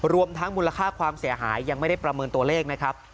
รวมทั้งมูลค่าความเสียหายยังไม่ได้ประเมินตัวเลขนะครับ